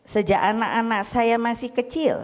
sejak anak anak saya masih kecil